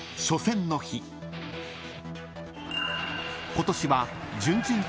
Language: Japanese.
［今年は］